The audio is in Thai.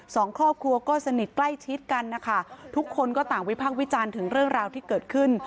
สองครอบครัวก็สนิทใกล้ชิดกันนะคะทุกคนก็ต่างวิพากษ์วิจารณ์ถึงเรื่องราวที่เกิดขึ้น